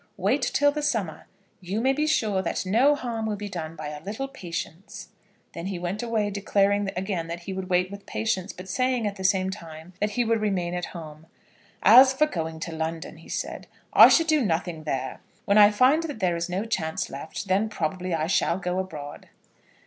Wait till the summer. You may be sure that no harm will be done by a little patience." Then he went away, declaring again that he would wait with patience; but saying, at the same time, that he would remain at home. "As for going to London," he said, "I should do nothing there. When I find that there is no chance left, then probably I shall go abroad."